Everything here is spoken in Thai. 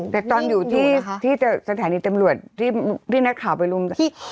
แต่ตอนอยู่ที่สถานีตำรวจที่นักข่าวไปรุม